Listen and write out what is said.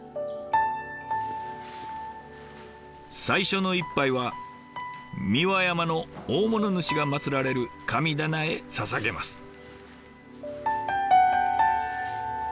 最初の一杯は三輪山の大物主がまつられる神棚へささげます。